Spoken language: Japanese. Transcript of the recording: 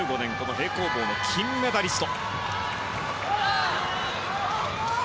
平行棒の金メダリスト。